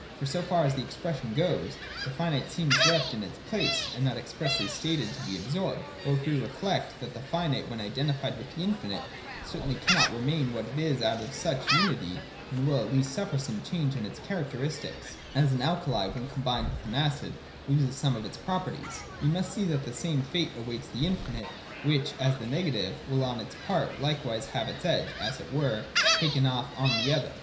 For, so far as the expression goes, the finite seems left in its place, — it is not expressly stated to be absorbed. Or, if we reflect that the finite, when identified with the infinite, certainly cannot remain what it was out of such unity, and will at least suffer some change in its charac teristics (— as an alkali, when combined with an acid, loses some of its properties), we must see that the same fate awaits the infinite, which, as the negative, will on its part likewise have its edge, as it were, taken off on the other.